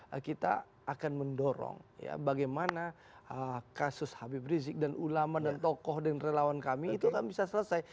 tapi tentu kita akan mendorong bagaimana kasus habib rizik dan ulama dan tokoh dan relawan kami itu bisa selesai